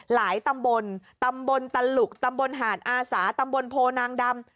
ตำบลตำบลตลุกตำบลหาดอาสาตำบลโพนางดำ